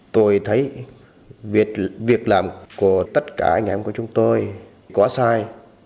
tôi thấy việc làm của tất cả anh em của chúng tôi quá sai